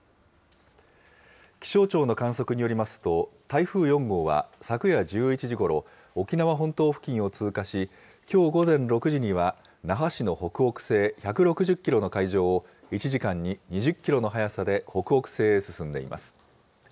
気象庁の観測によりますと、台風４号は昨夜１１時ごろ、沖縄本島付近を通過し、きょう午前６時には那覇市の北北西１６０キロの海上を、１時間に２０キロの速さで北北西へ進んでいます。